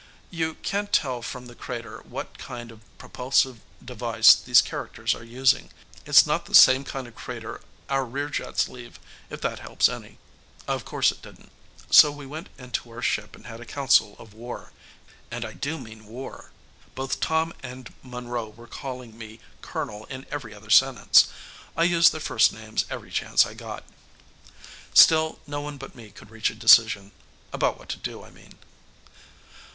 You can't tell from the crater what kind of propulsive device these characters are using. It's not the same kind of crater our rear jets leave, if that helps any." Of course it didn't. So we went into our ship and had a council of war. And I do mean war. Both Tom and Monroe were calling me Colonel in every other sentence. I used their first names every chance I got. Still, no one but me could reach a decision. About what to do, I mean.